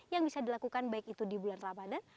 yang bisa dilakukan baik itu di bulan rabadhan